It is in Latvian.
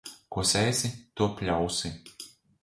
Ko sēsi, to pļausi.